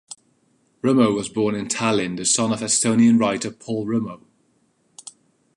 Rummo was born in Tallinn, the son of Estonian writer Paul Rummo.